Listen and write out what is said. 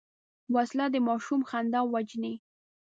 وسله د ماشوم خندا وژني